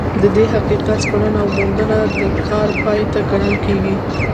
د دې حقیقت سپړنه او موندنه د کار پای نه ګڼل کېږي.